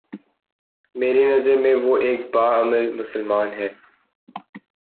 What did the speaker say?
میری نظر میں وہ ایک با عمل مسلمان ہے